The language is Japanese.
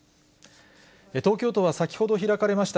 東京都は先ほど開かれました